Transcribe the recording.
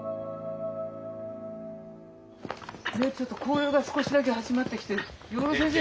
ねえちょっと紅葉が少しだけ始まってきてる。